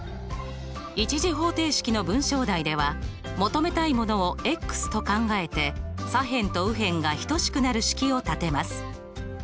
１次方程式の文章題では求めたいものをと考えて左辺と右辺が等しくなる式を立てます。